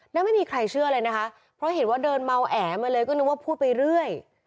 ไม่มีใครเชื่อเลยนะคะเพราะเห็นว่าเดินเมาแอมาเลยก็นึกว่าพูดไปเรื่อย